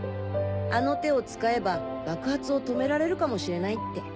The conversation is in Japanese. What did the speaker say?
あの手を使えば爆発を止められるかもしれないって。